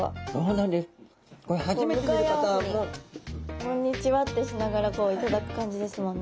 「こんにちは」ってしながら頂く感じですもんね。